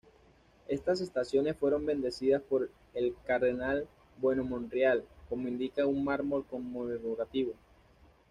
Estas estaciones fueron bendecidas por el cardenal Bueno Monreal, como indica un mármol conmemorativo.